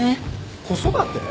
子育て？